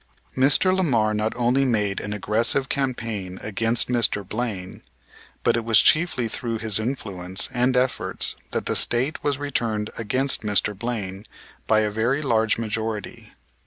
Mr. Lamar not only made an aggressive campaign against Mr. Blaine, but it was chiefly through his influence and efforts that the State was returned against Mr. Blaine by a very large majority.